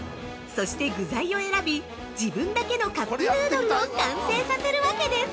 そして、具材を選び自分だけのカップヌードルを完成させるわけです。